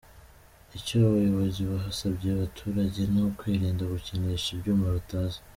Icyo abayobozi basabye abaturage ni ukwirinda gukinisha ibyuma batazi.